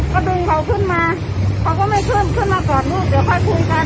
ก็ดึงเขาขึ้นมาเขาก็ไม่ขึ้นขึ้นมากอดลูกเดี๋ยวค่อยคุยกัน